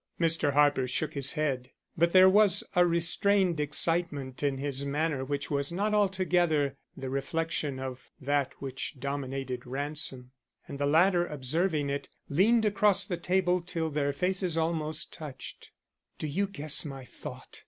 Mr. Harper shook his head, but there was a restrained excitement in his manner which was not altogether the reflection of that which dominated Ransom, and the latter, observing it, leaned across the table till their faces almost touched. "Do you guess my thought?"